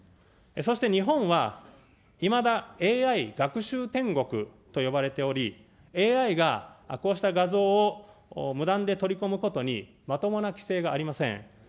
そして日本は、いまだＡＩ学習天国と呼ばれており、ＡＩがこうした画像を無断で取り込むことに、まともな規制がありません。